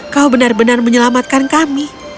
kau benar benar menyelamatkan kami